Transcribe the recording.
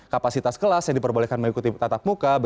kapasitas kelas yang diperbolehkan mengikuti tatap muka